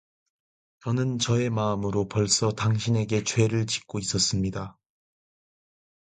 저는 저의 마음으로 벌써 당신에게 죄를 짓고 있었읍니다.